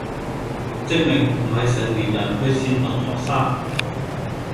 證明不是成年人去煽動學生